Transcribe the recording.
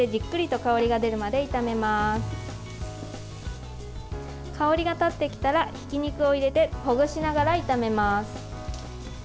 香りが立ってきたらひき肉を入れてほぐしながら炒めます。